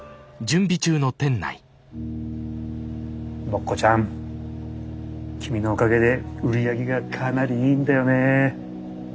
ボッコちゃん君のおかげで売り上げがかなりいいんだよね。